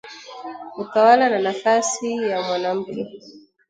utawala na nafasi ya mwanamke